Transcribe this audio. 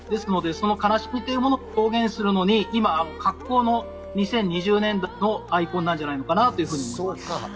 その悲しみというものを表現するのに今、恰好の２０２０年代のアイコンなんじゃないかと思います。